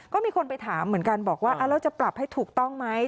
ก็มีคนไปถามเหมือนกันบอกว่าเราจะปรับให้ถูกต้องไหม